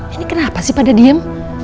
ini kenapa sih pada diem